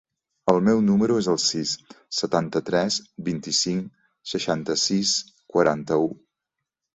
El meu número es el sis, setanta-tres, vint-i-cinc, seixanta-sis, quaranta-u.